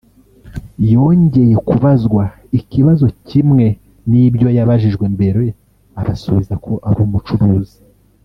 yongeye kubazwa ikibazo kimwe n’ibyo yabajijwe mbere abasubiza ko ari umucuruzi